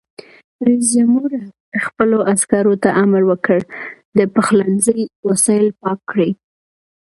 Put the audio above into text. رئیس جمهور خپلو عسکرو ته امر وکړ؛ د پخلنځي وسایل پاک کړئ!